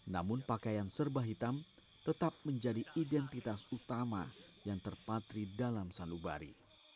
namun pakaian serbah hitam tetap menjadi identitas utama yang terpatri dalam san lubari